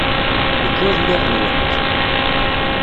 Nekk ur lliɣ nwent.